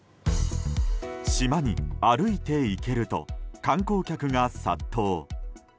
島に歩いて行けると観光客が殺到。